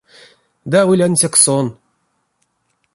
Ды аволь ансяк сон.